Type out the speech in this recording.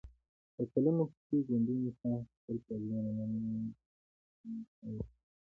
د کلونو پر چې ګومین ټانګ خپل پلازمېنه نن بیجینګ ته انتقال کړ.